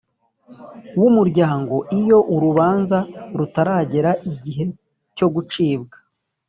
w umuryango iyo urubanza rutaragera igihe cyo gucibwa